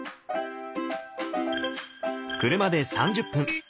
車で３０分。